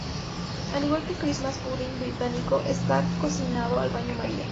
Al igual que el Christmas pudding británico, está cocinado al baño María.